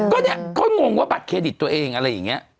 ก็เนี่ยเขางงว่าบัตรเครดิตตัวเองอะไรอย่างนี้